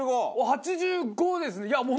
８５ですね。